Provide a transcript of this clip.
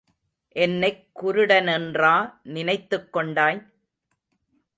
என்னைக் குருடனென்றா நினைத்துக் கொண்டாய்?